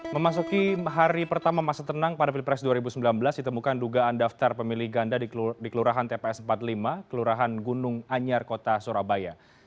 memasuki hari pertama masa tenang pada pilpres dua ribu sembilan belas ditemukan dugaan daftar pemilih ganda di kelurahan tps empat puluh lima kelurahan gunung anyar kota surabaya